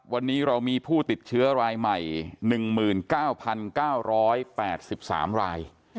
วันนี้เรามีผู้ติดเชื้อรายใหม่๑๙๙๘๓ราย